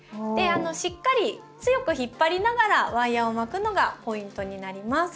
しっかり強く引っ張りながらワイヤーを巻くのがポイントになります。